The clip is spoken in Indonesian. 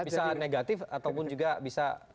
bisa negatif ataupun juga bisa